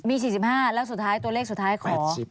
มี๔๕แล้วตัวเลขสุดท้ายขอ๘๐